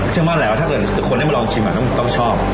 ช่างมั้งแล้วถ้าชมมาชอบถ้าคุณมาร้องชิมอ่ะแค่ต้องชอบ